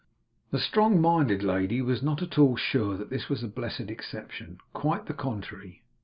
The strong minded lady was not at all sure that this was a blessed exception. Quite the contrary.